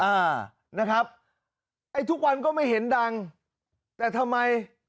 อ่านะครับไอ้ทุกวันก็ไม่เห็นดังแต่ทำไม